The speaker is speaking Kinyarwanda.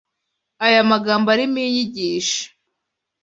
aya magambo arimo inyigisho